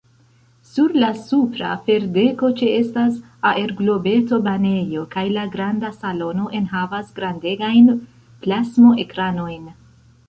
Sur la supra ferdeko, ĉeestas aerglobeto-banejo kaj la granda salono enhavas grandegajn plasmo-ekranojn.